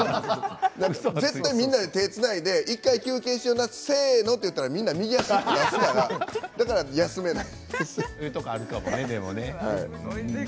絶対、手をつないで１回休憩しようなせーの、と言ったらみんな右足を出すだから休めない。